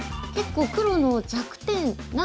結構黒の弱点３